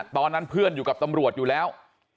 ตอนนั้นเพื่อนอยู่กับตำรวจอยู่แล้ว